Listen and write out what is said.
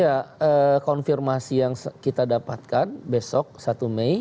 ya konfirmasi yang kita dapatkan besok satu mei